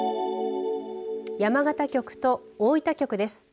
山形局と大分局です。